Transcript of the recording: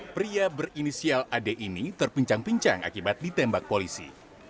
pria berinisial ad ini terpincang pincang akibat ditembak polisi